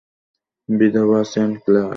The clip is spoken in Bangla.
বিধবা সেন্ট ক্লেয়ার।